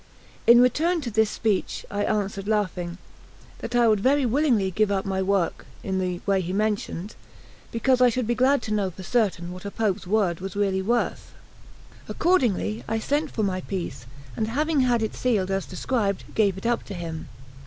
In return to this speech, I answered, laughing, that I would very willingly give up my work in the way he mentioned, because I should be glad to know for certain what a Pope's word was really worth. Accordingly, I sent for my piece, and having had it sealed as described, gave it up to him.